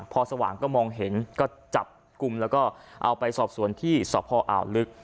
พอสว่างก็มองเห็นก็จับกลุ่มแล้วก็เอาไปสอบสวนที่สพอ่าวลึก